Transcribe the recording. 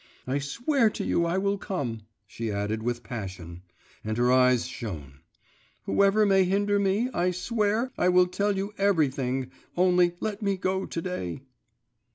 … I swear to you I will come,' she added with passion, and her eyes shone; 'whoever may hinder me, I swear! I will tell you everything, only let me go to day.